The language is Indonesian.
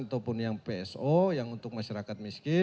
ataupun yang pso yang untuk masyarakat miskin